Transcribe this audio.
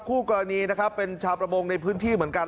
คู่กรณีนะครับเป็นชาวประมงในพื้นที่เหมือนกัน